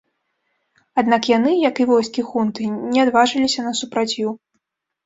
Аднак яны, як і войскі хунты, не адважыліся на супраціў.